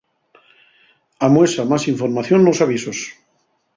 Amuesa más información nos avisos.